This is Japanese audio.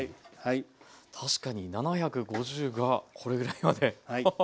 確かに７５０がこれぐらいまでアハハ。